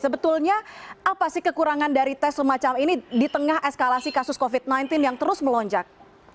sebetulnya apa sih kekurangan dari tes semacam ini di tengah eskalasi kasus covid sembilan belas yang terus melonjak